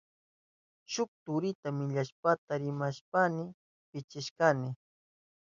Shuk turita millaypata rimashpayni pishishkani.